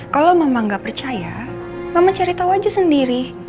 kalau mama gak percaya mama cerita aja sendiri